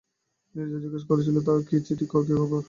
নীরজা জিজ্ঞাসা করলে কার চিঠি, কী খবর।